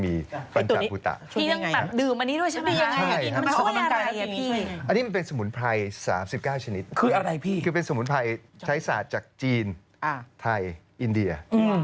มีคลิปหน้าชื่อมีกลิ่นกลิ่นอินเดีย